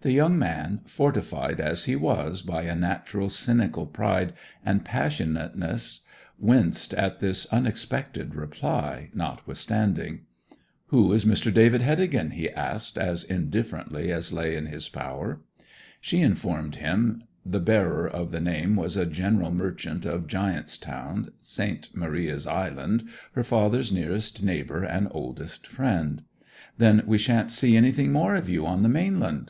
The young man fortified as he was by a natural cynical pride and passionateness winced at this unexpected reply, notwithstanding. 'Who is Mr. David Heddegan?' he asked, as indifferently as lay in his power. She informed him the bearer of the name was a general merchant of Giant's Town, St. Maria's island her father's nearest neighbour and oldest friend. 'Then we shan't see anything more of you on the mainland?'